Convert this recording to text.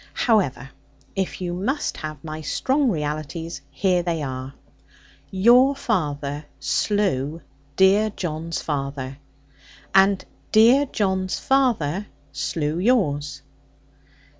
However, if you must have my strong realities, here they are. Your father slew dear John's father, and dear John's father slew yours.'